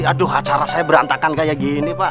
aduh acara saya berantakan kayak gini pak